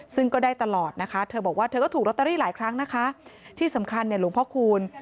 ซึ่งก็ได้ตลอดนะคะเธอบอกว่าเธอก็ถูกลอตเตอรี่หลายครั้งนะคะที่สำคัญเนี่ยหลวงพ่อคูณ